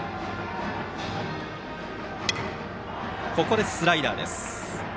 ここでスライダー。